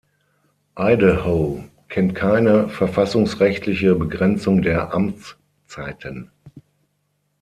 Idaho kennt keine verfassungsrechtliche Begrenzung der Amtszeiten.